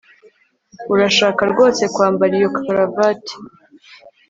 Urashaka rwose kwambara iyo karuvati